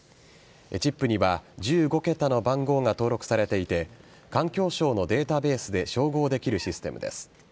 チップには１５桁の番号が登録されていて環境省のデータベースで照合できるシステムです。